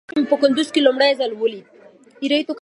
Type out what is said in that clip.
اوس چې مې کندوز په لومړي ځل وليد.